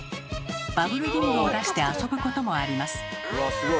バブルリングを出して遊ぶこともあります。